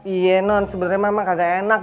iya non sebenernya emak emak kagak enak